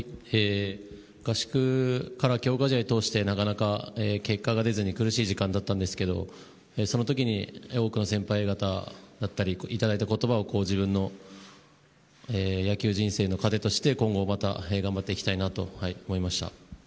合宿から強化試合を通してなかなか結果が出ずに苦しい時間だったんですけどその時に多くの先輩方だったりにいただいた言葉を自分の野球人生の糧として今後また頑張っていきたいと思いました。